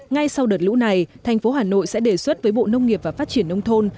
ngay sau đợt lũ này thành phố hà nội sẽ đề xuất với bộ nông nghiệp và phát triển nông thôn